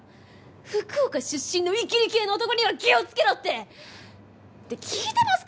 福岡出身のイキり系の男には気をつけろって！って聞いてますか！？